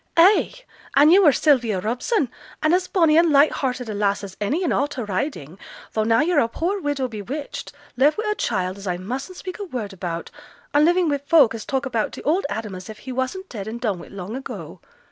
'Ay! and yo' were Sylvia Robson, and as bonny and light hearted a lass as any in a' t' Riding, though now yo're a poor widow bewitched, left wi' a child as I mustn't speak a word about, an' living wi' folk as talk about t' old Adam as if he wasn't dead and done wi' long ago!